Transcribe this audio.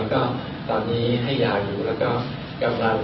ในการในปอดที่ถูกชอบเอกสารคอนเซ